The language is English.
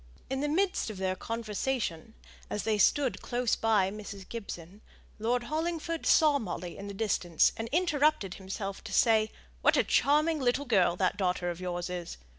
In the midst of their conversation, as they stood close by Mrs. Gibson, Lord Hollingford saw Molly in the distance, and interrupted himself to say, "What a charming little lady that daughter of yours is!